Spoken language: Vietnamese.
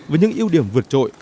với những ưu điểm vượt trội